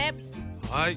はい。